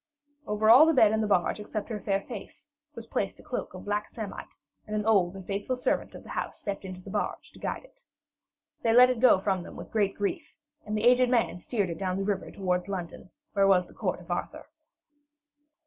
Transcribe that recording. Over all the bed and the barge, except her fair face, was placed a cloak of black samite, and an old and faithful servant of the house stepped into the barge to guide it. They let it go from them with great grief, and the aged man steered it down the river towards London, where was the court of Arthur.